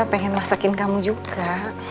pengen masakin kamu juga